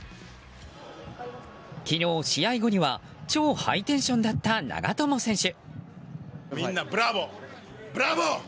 昨日試合後には超ハイテンションだった長友選手。